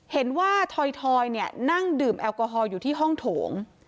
เห็นว่าทอยเนี่ยนั่งดื่มแอลกอฮอลอยู่ที่ห้องโถง